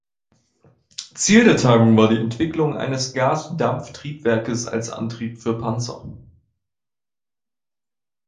Ziel der Tagung war die Entwicklung eines Gas-Dampf-Triebwerkes als Antrieb für Panzer.